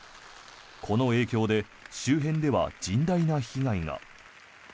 この影響で周辺では甚大な被害が。